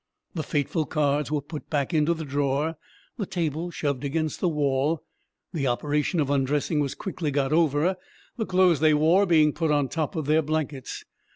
The fateful cards were put back into the drawer, the table shoved against the wall. The operation of undressing was quickly got over, the clothes they wore being put on top of their blankets.